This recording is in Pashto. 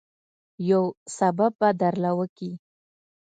يو سبب به درله وکي.